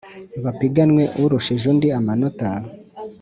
bapiganwe, urushije undi amanita